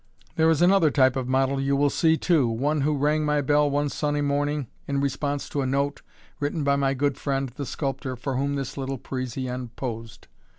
There is another type of model you will see, too one who rang my bell one sunny morning in response to a note written by my good friend, the sculptor, for whom this little Parisienne posed.